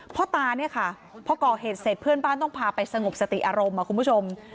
พ่อตาเนี่ยค่ะพอก่อเหตุเสร็จเพื่อนบ้านต้องพาไปสงบสติอารมณ์คุณผู้ชม